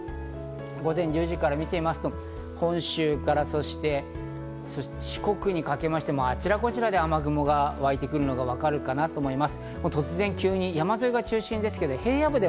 午前１０時から見ていきますと、本州から四国にかけまして、あちらこちらで雨雲がわいてくるのがわかるかなと思います。